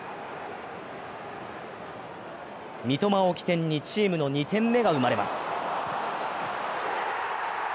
三笘を起点にチームの２点目が生まれます。